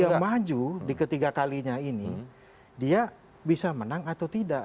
yang maju di ketiga kalinya ini dia bisa menang atau tidak